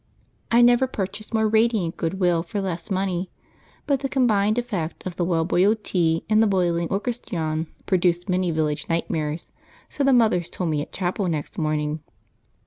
I never purchased more radiant good will for less money, but the combined effect of the well boiled tea and the boiling orchestrion produced many village nightmares, so the mothers told me at chapel next morning.